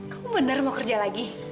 kamu benar mau kerja lagi